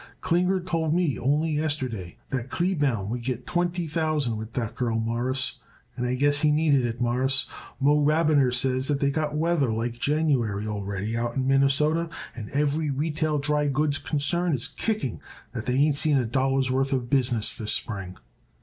Klinger told me only yesterday that Kleebaum would get twenty thousand with that girl, Mawruss, and I guess he needed it, Mawruss. Moe Rabiner says that they got weather like January already out in Minnesota, and every retail dry goods concern is kicking that they ain't seen a dollar's worth of business this spring."